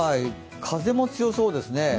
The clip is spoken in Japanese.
風も強そうですね。